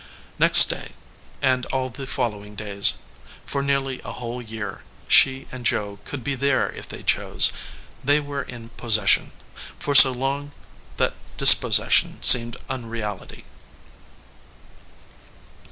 Next day, and all the following days, for nearly a whole year, she and Joe could be there if they chose. They were in possession; for so long that dispossession seemed unreality.